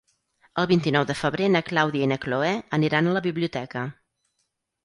El vint-i-nou de febrer na Clàudia i na Cloè aniran a la biblioteca.